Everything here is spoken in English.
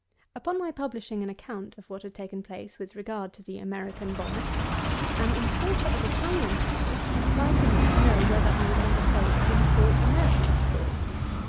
215. Upon my publishing an account of what had taken place with regard to the American Bonnet, an importer of Italian straw applied to me to know whether I would undertake to import American straw.